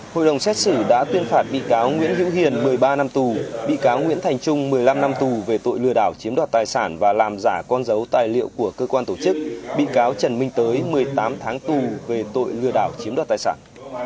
hội đồng xét xử đã tuyên phạt bị cáo nguyễn hữu hiền một mươi ba năm tù bị cáo nguyễn thành trung một mươi năm năm tù về tội lừa đảo chiếm đoạt tài sản và làm giả con dấu tài liệu của cơ quan tổ chức bị cáo trần minh tới một mươi tám tháng tù về tội lừa đảo chiếm đoạt tài sản